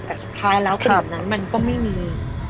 แต่สุดท้ายแล้วขนาดนั้นมันก็ไม่มี